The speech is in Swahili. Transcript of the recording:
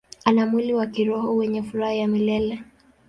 Ana mwili wa kiroho wenye furaha ya milele.